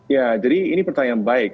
ya jadi ini pertanyaan baik